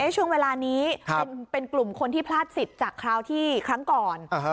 ช่วงเวลานี้เป็นกลุ่มคนที่พลาดสิทธิ์จากคราวที่ครั้งก่อน